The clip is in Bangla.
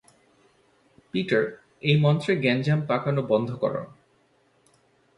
পিটার, এই মন্ত্রে গ্যাঞ্জাম পাকানো বন্ধ করো।